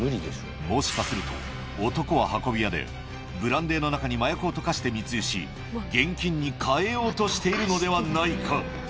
もしかすると男は運び屋で、ブランデーの中に麻薬を溶かして密輸し、現金に換えようとしているのではないか。